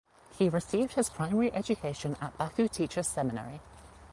He received his primary education at Baku Teachers Seminary.